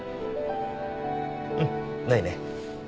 うんないね。